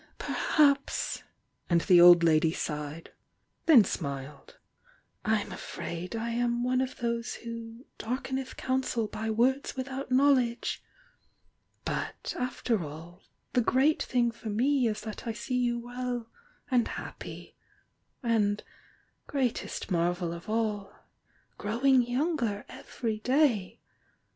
"Perhaps!" — and the old lady jighed — then smiled. "I'm afraid I am one of these who 'dark eneth counsel by words without knowledge!' But, after all, the great thing for me is that I see you well and happy — and greatest marvel of all — grow ing younger every day!